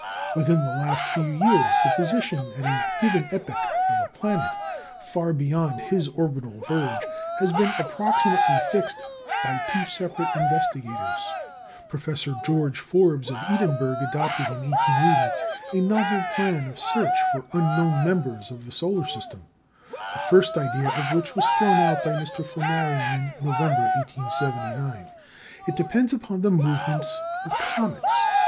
Within the last few years the position at a given epoch of a planet far beyond his orbital verge has been approximately fixed by two separate investigators. Professor George Forbes of Edinburgh adopted in 1880 a novel plan of search for unknown members of the solar system, the first idea of which was thrown out by M. Flammarion in November, 1879. It depends upon the movements of comets.